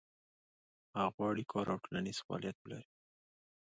هغه غواړي کار او ټولنیز فعالیت ولري.